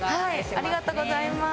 ありがとうございます。